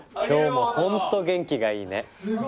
今日も本当元気がいいね。